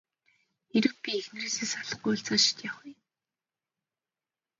Хэрэв би эхнэрээсээ салахгүй бол цаашид яах вэ?